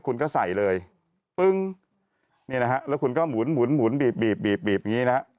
คุณก็ใส่เลยปึ้งนี่นะฮะแล้วคุณก็หมุนบีบีบอย่างนี้นะฮะ